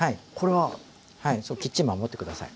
はいそうきっちり守って下さい。